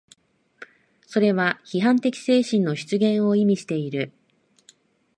それは批判的精神の出現を意味している。